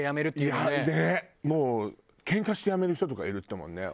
もうケンカして辞める人とかいるっていうもんね。